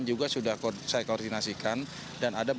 juga sudah saya koordinasikan